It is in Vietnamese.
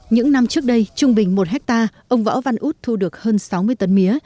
những năm trước đây trung bình một hectare ông võ văn út thu được hơn sáu mươi tấn mía